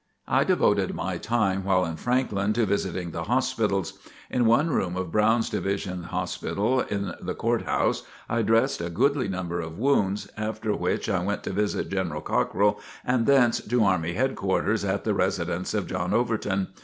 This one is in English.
I devoted my time while in Franklin, to visiting the hospitals. In one room of Brown's Division hospital, in the Court House, I dressed a goodly number of wounds, after which I went to visit General Cockrill and thence to army headquarters at the residence of John Overton.